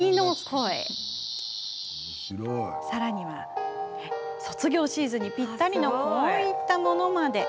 セミの声さらには、卒業シーズンにぴったりのこんなものまで。